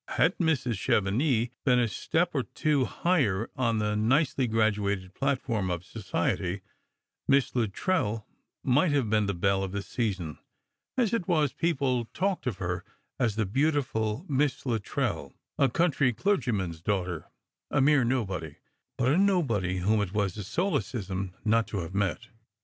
Had Mrs. Chevenix been a step or two higher on the nicely graduated platform of society, Miss Luttrell might have been the belle of the season; as it was, people talked of her as the beautiful Miss Luttrell, a country clergyman's daughter, a mere nobody, but a nobody whom it was a solecism not to have met.